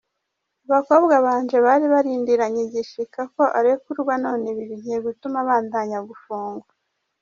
Abakobwa banje bari barindiranye igishika ko arekurwa, none ibi bigiye gutuma abandanya gupfungwa.